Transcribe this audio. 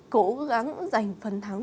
cố gắng dành phần thắng